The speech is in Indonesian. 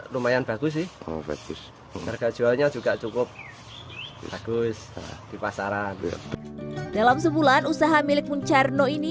lumayan bagus sih bagus harga jualnya juga cukup bagus di pasaran dalam sebulan usaha milik muncarno ini